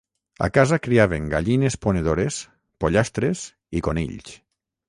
A casa criaven gallines ponedores, pollastres i conills.